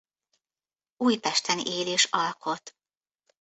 Újpesten él és alkot.